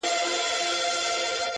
داسي سرویس یې وواهه